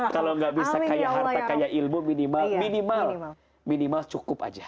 kalau gak bisa italah minimal minimal cukup aja